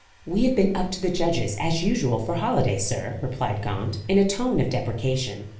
"We have been up to the judges, as usual, for holiday, sir," replied Gaunt, in a tone of deprecation.